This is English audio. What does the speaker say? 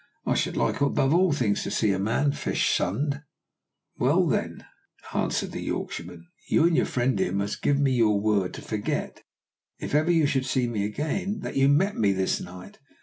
"I should like above all things to see fish sunned." "Well, then," answered the Yorkshireman, "you and your friend here must give me your word to forget, if ever you should see me again, that you met me this night.